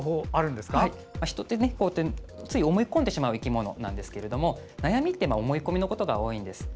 人ってつい思い込んでしまう生き物ですが悩みって思い込みのことが多いんです。